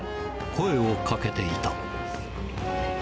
声をかけていた。